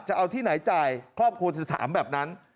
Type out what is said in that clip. จะเอาที่ไหนจ่ายครอบครัวเธอถามแบบนั้น